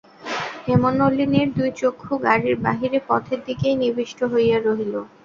হেমনলিনীর দুই চক্ষু গাড়ির বাহিরে পথের দিকেই নিবিষ্ট হইয়া রহিল।